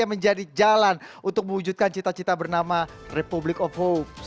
yang menjadi jalan untuk mewujudkan cita cita bernama republic of hope